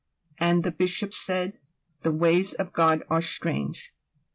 'And the Bishop said: 'The ways of God are strange!